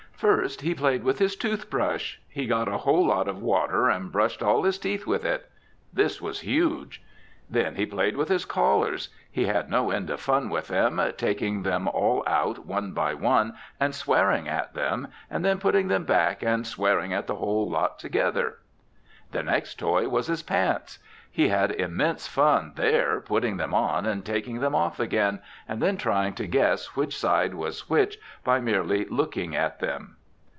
First he played with his tooth brush. He got a whole lot of water and brushed all his teeth with it. This was huge. Then he played with his collars. He had no end of fun with them, taking them all out one by one and swearing at them, and then putting them back and swearing at the whole lot together. The next toy was his pants. He had immense fun there, putting them on and taking them off again, and then trying to guess which side was which by merely looking at them.